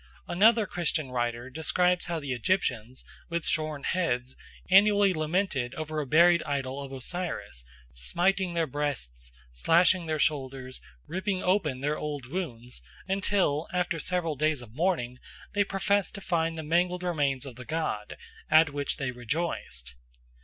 Another Christian writer describes how the Egyptians, with shorn heads, annually lamented over a buried idol of Osiris, smiting their breasts, slashing their shoulders, ripping open their old wounds, until, after several days of mourning, they professed to find the mangled remains of the god, at which they rejoiced.